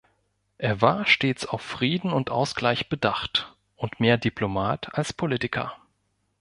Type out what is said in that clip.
Er war stets auf Frieden und Ausgleich bedacht und mehr Diplomat als Politiker.